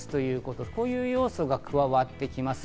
こういう要素が加わってきます。